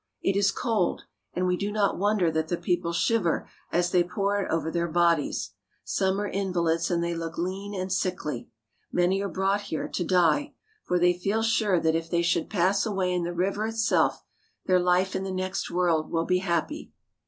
It is cold, and we do not wonder that the people shiver as they pour it over their bodies. Some are invalids, and they look lean and sickly. Many are brought here to die ; for they feel sure that if they should pass away in the river itself, their life in the next world will be happy.